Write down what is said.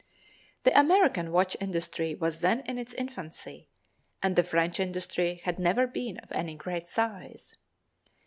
The American watch industry was then in its infancy, and the French industry had never been of any great size.